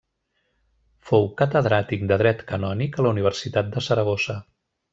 Fou catedràtic de dret canònic a la Universitat de Saragossa.